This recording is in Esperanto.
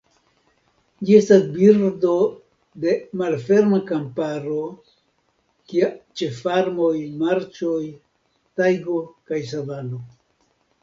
Ĝi estas birdo de malferma kamparo kia ĉe farmoj, marĉoj, tajgo kaj savano.